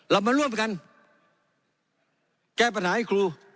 เรามาร่วมกันแก้ปัญหาให้ครู